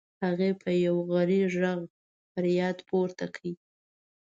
هغې په یو غری غږ فریاد پورته کړ.